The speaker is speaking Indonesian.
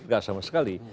enggak sama sekali